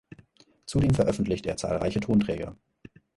Zudem veröffentlicht er zahlreiche Tonträger.